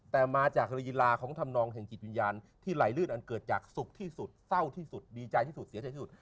แต่มาจากฮรีลาของธรรมนองแห่งจิตวิญญาณที่ไหลลื่นอันเกิดจากสุขที่สุดเศร้าที่สุดดีใจที่สุดเสียใจที่สุด